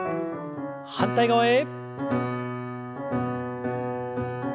反対側へ。